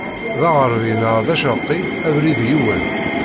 D aɣeṛbi neɣ d aceṛqi, abrid yiwen.